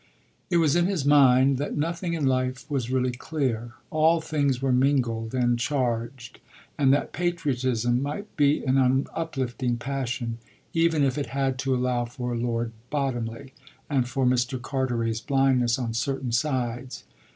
It was in his mind that nothing in life was really clear, all things were mingled and charged, and that patriotism might be an uplifting passion even if it had to allow for Lord Bottomley and for Mr. Carteret's blindness on certain sides.